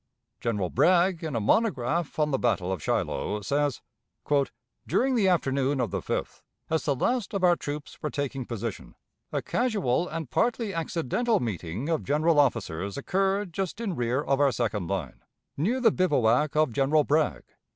General Bragg, in a monograph on the battle of Shiloh, says: "During the afternoon of the 5th, as the last of our troops were taking position, a casual and partly accidental meeting of general officers occurred just in rear of our second line, near the bivouac of General Bragg.